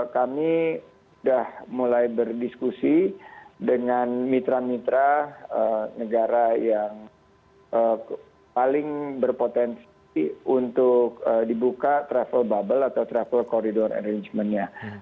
kami sudah mulai berdiskusi dengan mitra mitra negara yang paling berpotensi untuk dibuka travel bubble atau travel corridor arrangement nya